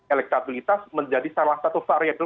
elektabilitas menjadi salah satu variable